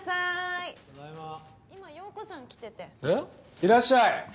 いらっしゃい！